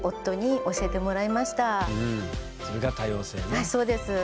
はいそうです。